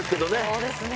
そうですね。